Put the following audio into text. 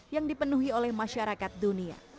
yang dipenuhi oleh masyarakat dunia